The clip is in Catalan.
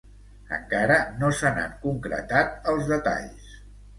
Encara no se n’han concretat els detalls.